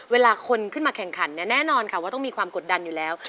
เวลาคนขึ้นมาแข่งขันเนี่ยแน่นอนค่ะว่าต้องมีความกดดันอยู่แล้ว